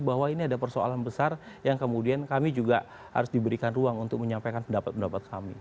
bahwa ini ada persoalan besar yang kemudian kami juga harus diberikan ruang untuk menyampaikan pendapat pendapat kami